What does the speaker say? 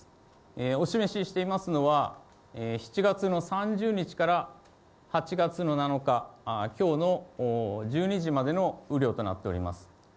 お示ししていますのは、７月の３０日から８月の７日、きょうの１２時までの雨量となっております。